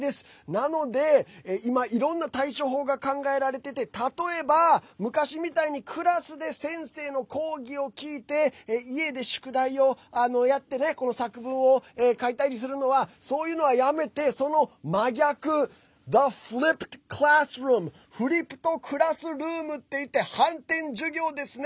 なので、今いろんな対処法が考えられてて例えば、昔みたいにクラスで先生の講義を聞いて家で宿題をやって作文を書いたりするのはもうやめてその真逆、ｆｌｉｐｐｅｄｃｌａｓｓｒｏｏｍフリップトクラスルームといって反転授業ですね。